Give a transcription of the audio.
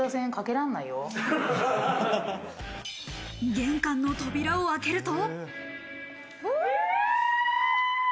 玄関の扉を開けると。